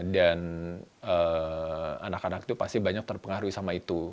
dan anak anak itu pasti banyak terpengaruhi sama itu